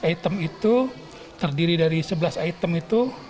item itu terdiri dari sebelas item itu